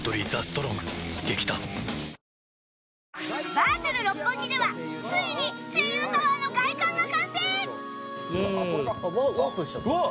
バーチャル六本木ではついに声優タワーの外観が完成！あっワープしちゃった。